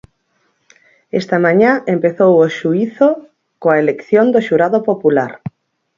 Esta mañá empezou o xuízo coa elección do xurado popular.